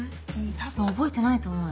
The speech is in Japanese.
多分覚えてないと思うよ。